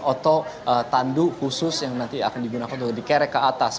atau tandu khusus yang nanti akan digunakan untuk dikerek ke atas